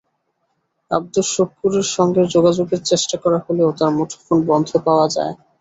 আবদুস শুক্কুরের সঙ্গে যোগাযোগের চেষ্টা করা হলেও তাঁর মুঠোফোন বন্ধ পাওয়া যায়।